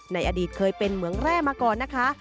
ในอดีตเคยเป็นเหมืองแร่มาก่อนนะคะ